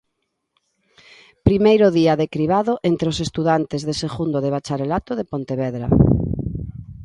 Primeiro día de cribado entre os estudantes de segundo de bacharelato de Pontevedra.